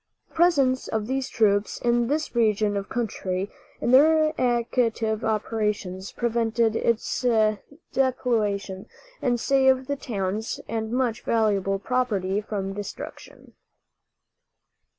The presence of these troops in this region of country, and their active operations, prevented its depopulation, and saved the towns and much valuable property from destruction.